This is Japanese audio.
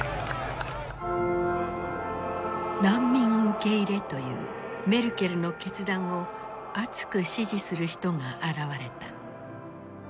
難民受け入れというメルケルの決断を熱く支持する人が現れた。